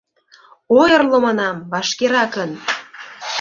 Ойырло, манам, вашкеракын!